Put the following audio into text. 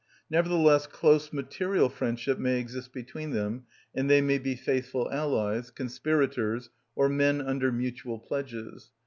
Nevertheless close material friendship may exist between them, and they may be faithful allies, conspirators, or men under mutual pledges.